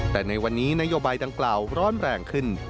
แต่ในวันนี้นโยบายดังกล่าวร้อนแรงขึ้น